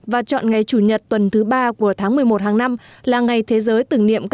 và chọn ngày chủ nhật tuần thứ ba của tháng một mươi một hàng năm là ngày thế giới tưởng niệm các